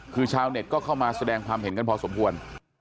คือชาวเน็ตก็เข้ามาแสดงความเห็นกันพอสมควร